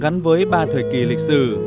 gắn với ba thời kỳ lịch sử